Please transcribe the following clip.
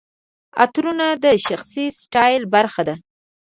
عطرونه د شخصي سټایل برخه ده.